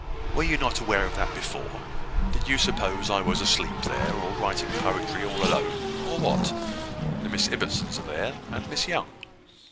"Were you not aware of that before? Did you suppose I was asleep there, or writing poetry all alone, or what? The Miss Ibbotsons are there, and Miss Young."